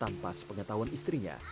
lepas pengetahuan istrinya